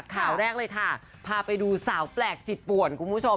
ข่าวแรกเลยค่ะพาไปดูสาวแปลกจิตป่วนคุณผู้ชม